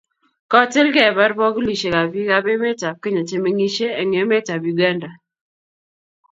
kotil kebar bokolushek ab biik ab emet ab Kenya chemengishei eng emet ab Uganda